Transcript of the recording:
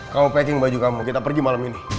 kamu packing baju kamu kita pergi malam ini